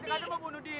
sekarang gue bunuh diri